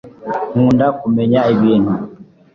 nkunda kumenya ibintu